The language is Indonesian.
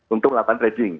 untuk melakukan trading